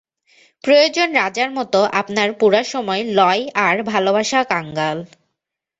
প্রয়োজন রাজার মতো আপনার পুরা সময় লয়–আর ভালোবাসা কাঙাল!